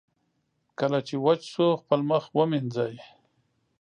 کله چې وچ شو، خپل مخ ومینځئ.